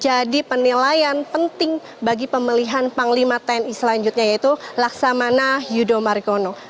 jadi ini adalah penilaian penting bagi pemilihan panglima tni selanjutnya yaitu laksamana yudho margono